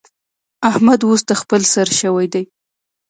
احمد اوس د خپل سر شوی دی.